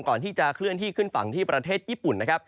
ก่อนที่จะเคลื่อนที่ขึ้นฝั่งที่ประเทศญี่ปุ่นนะครับ